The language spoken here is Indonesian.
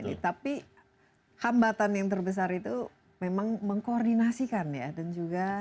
oke tapi hambatan yang terbesar itu memang mengkoordinasikan ya dan juga